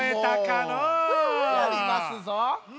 やりますぞ。